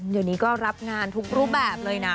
เดี๋ยวนี้ก็รับงานทุกรูปแบบเลยนะ